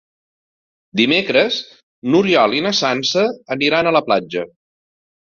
Dimecres n'Oriol i na Sança aniran a la platja.